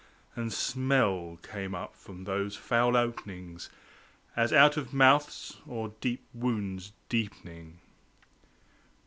(And smell came up from those foul openings As out of mouths, or deep wounds deepening.)